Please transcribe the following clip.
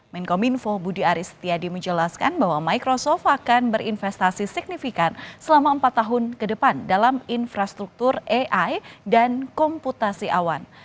menkominfo budi aris setiadi menjelaskan bahwa microsoft akan berinvestasi signifikan selama empat tahun ke depan dalam infrastruktur ai dan komputasi awan